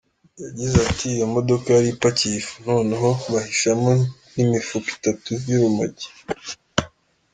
Yagize ati “Iyo modoka yari ipakiye ifu noneho bahishamo n’imifuka itatu y’urumogi.